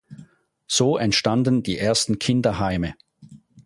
So entstanden die ersten Kinderheime.